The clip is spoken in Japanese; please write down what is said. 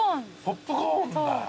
ポップコーンだ。